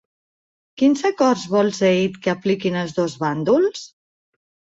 Quins acords vol Zeid que apliquin els dos bàndols?